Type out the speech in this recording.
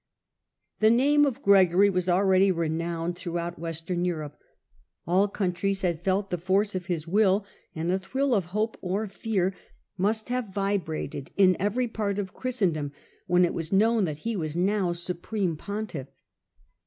The name of Gregory was already renowned through out Western Europe ; all countries had felt the force of his will, and a thrill of hope or fear must have vibrated in every part of Christendom when it was known that he was now supreme pontiff.